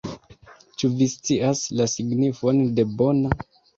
Ĉu vi scias la signifon de bona?